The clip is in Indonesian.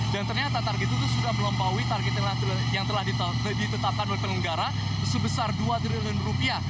dan ternyata target itu sudah melampaui target yang telah ditetapkan oleh penggara sebesar dua triliun rupiah